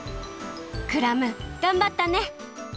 クラムがんばったね！